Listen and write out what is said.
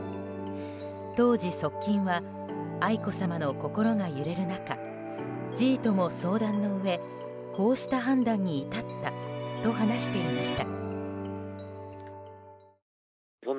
当時、側近は愛子さまの心が揺れる中侍医とも相談のうえこうした判断に至ったと話していました。